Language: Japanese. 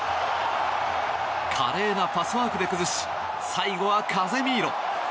華麗なパスワークで崩し最後はカゼミーロ。